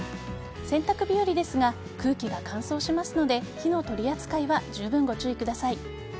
洗濯日和ですが空気が乾燥しますので火の取り扱いはじゅうぶんご注意ください。